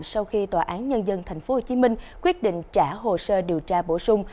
sau khi tòa án nhân dân tp hcm quyết định trả hồ sơ điều tra bổ sung